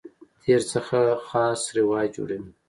تېر څخه خاص روایت جوړوي.